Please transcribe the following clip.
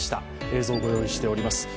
映像をご用意しております。